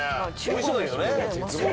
おいしそうだけどね。